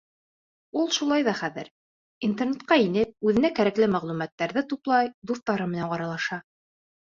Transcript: Ул шулай ҙа хәҙер, Интернетҡа инеп, үҙенә кәрәкле мәғлүмәттәрҙе туплай, дуҫтары менән аралаша.